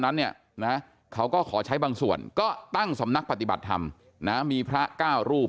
นั้นเนี่ยนะเขาก็ขอใช้บางส่วนก็ตั้งสำนักปฏิบัติธรรมนะมีพระเก้ารูป